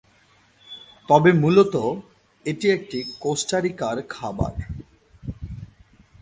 তবে মূলতঃ এটি একটি কোস্টা রিকার খাবার।